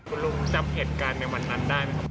คุณลุงจำเหตุการณ์ในวันนั้นได้ไหมครับ